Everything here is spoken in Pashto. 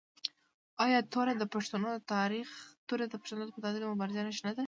آیا توره د پښتنو د تاریخي مبارزو نښه نه ده؟